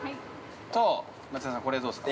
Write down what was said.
と、松也さん、これどうですか。